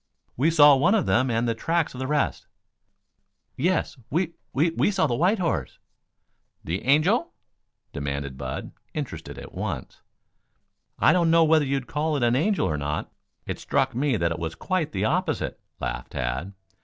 "We saw one of them and the tracks of the rest " "Yes, we we we saw the white horse " "The Angel?" demanded Bud, interested at once. "I don't know whether you'd call it an angel or not. It struck me that it was quite the opposite," laughed Tad.